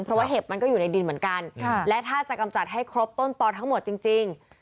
เพราะว่าเห็บมันก็อยู่ในดินเหมือนกันและถ้าจะกำจัดให้ครบต้นตอนทั้งหมดจริง